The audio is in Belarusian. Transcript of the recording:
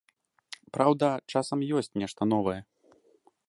Праўда, часам ёсць нешта новае.